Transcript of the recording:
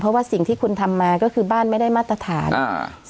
เพราะว่าสิ่งที่คุณทำมาก็คือบ้านไม่ได้มาตรฐานอ่า